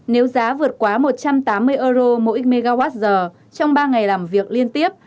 nếu giá vượt quá một trăm tám mươi euro mỗi mwh trong ba ngày làm việc liên tiếp